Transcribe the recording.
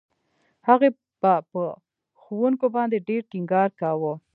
هغې به په ښوونکو باندې ډېر ټينګار کاوه.